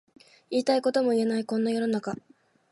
言いたいことも言えないこんな世の中